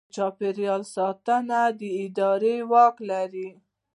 د چاپیریال ساتنې اداره واک لري؟